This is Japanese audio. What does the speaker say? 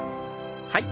はい。